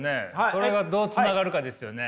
それがどうつながるかですよね。